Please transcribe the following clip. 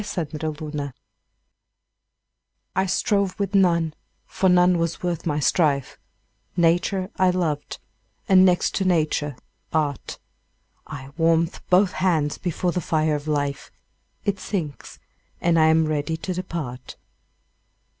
9 Autoplay I strove with none, for none was worth my strife: Nature I loved, and, next to Nature, Art: I warm'd both hands before the fire of Life; It sinks; and I am ready to depart.